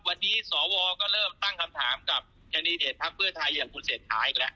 วันนี้สวก็เริ่มตั้งคำถามกับแคนดิเดตพักเพื่อไทยอย่างคุณเศรษฐาอีกแล้ว